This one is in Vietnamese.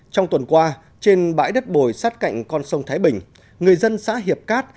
trong tuần qua trên bãi đất bồi sát cạnh con sông thái bình người dân xã hiệp cát